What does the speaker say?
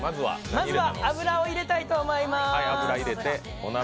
まずは油を入れたいと思いまーす。